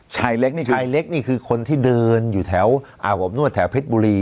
ชายเล็กนี่ชายเล็กนี่คือคนที่เดินอยู่แถวอาบอบนวดแถวเพชรบุรี